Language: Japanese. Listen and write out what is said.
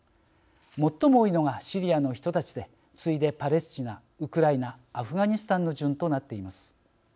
最も多いのがシリアの人たちで次いでパレスチナウクライナアフガニスタンの順となっています。